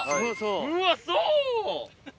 うわそう⁉